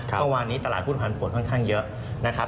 เมื่อวานนี้ตลาดหุ้นผันผลค่อนข้างเยอะนะครับ